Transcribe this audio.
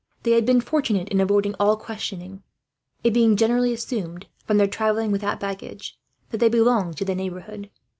They had been fortunate in avoiding all questioning; it being generally assumed, from their travelling without baggage, that they belonged to the neighbourhood.